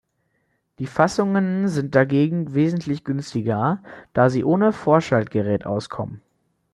Die Fassungen sind dagegen wesentlich günstiger, da sie ohne Vorschaltgerät auskommen.